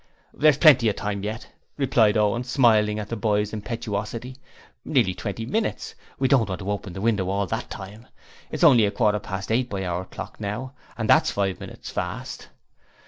'There's plenty of time yet,' replied Owen, smiling at the boy's impetuosity. 'Nearly twenty minutes. We don't want the window open all that time. It's only a quarter to eight by our clock now, and that's five minutes fast.'